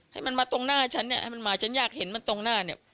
ให้มันมาตรงหน้าฉันเนี่ยให้มันมาฉันอยากเห็นมันตรงหน้าเนี่ย